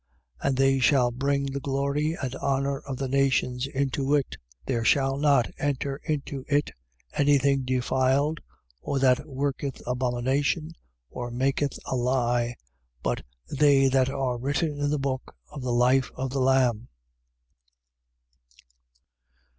21:26. And they shall bring the glory and honour of the nations into it. 21:27. There shall not enter into it any thing defiled or that worketh abomination or maketh a lie: but they that are written in the book of life of the Lamb.